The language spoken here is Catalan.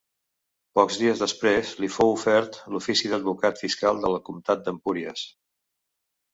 Pocs dies després li fou ofert l'ofici d'advocat fiscal del comtat d'Empúries.